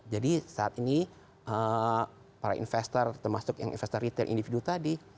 jadi saat ini para investor termasuk yang investor retail individu tadi